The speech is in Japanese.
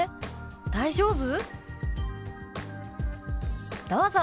大丈夫？」。